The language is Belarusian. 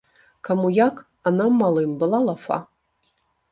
Каму як, а нам, малым, была лафа.